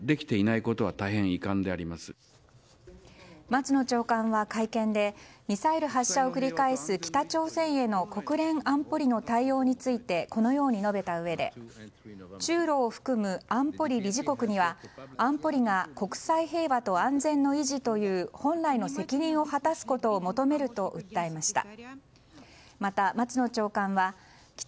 松野長官は会見でミサイル発射を繰り返す北朝鮮への国連安保理の対応についてこのように述べたうえで中ロを含む安保理理事国には安保理が国際平和と安全の維持という本来の責任を果たすことを求めると訴えました。